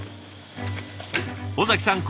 尾崎さん